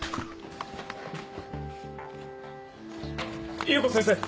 裕子先生！